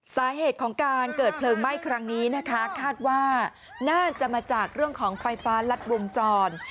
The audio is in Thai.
สาเหตุของการเกิดเพลิงไหม้ครั้งนี้นะคะคาดว่าน่าจะมาจากเรื่องของไฟฟ้ารัดวงจร